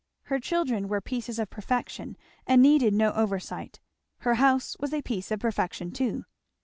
Her children were pieces of perfection, and needed no oversight; her house was a piece of perfection too.